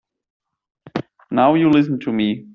Now you listen to me.